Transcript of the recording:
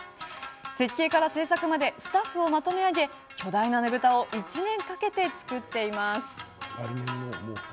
設計から制作までスタッフをまとめ上げ巨大なねぶたを１年かけて作っています。